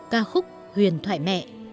ca khúc huyền thoại mẹ